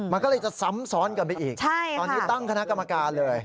มันก็เลยจะซ้ำซ้อนกันไปอีกตอนนี้ตั้งคณะกรรมการเลย